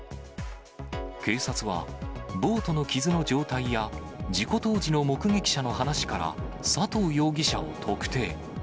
警察は、ボートの傷の状態や事故当時の目撃者の話から、佐藤容疑者を特定。